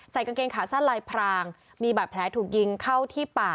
กางเกงขาสั้นลายพรางมีบาดแผลถูกยิงเข้าที่ป่า